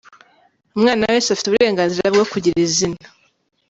Umwana wese afite uburenganzira bwo kugira izina.